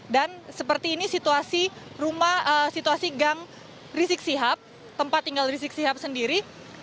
dan seperti ini situasi gang rizik sihab tempat tinggal rizik sihab sendiri